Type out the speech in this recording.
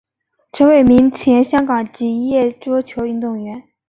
陈伟明前香港职业桌球运动员。